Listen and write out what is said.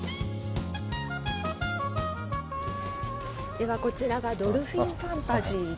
ではこちらがドルフィンファンタジーです。